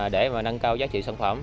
để nâng cao giá trị sản phẩm